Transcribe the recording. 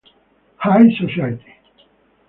High Society.